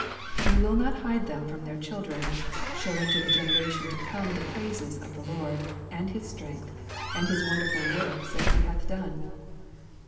4 We will not hide t/iem from their children, shewing to the generation to come the praises of the LORD, and his strength, and his wonderful works that he hath done.